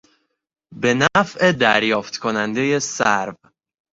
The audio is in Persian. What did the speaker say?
به نفع دریافت کنندهی سرو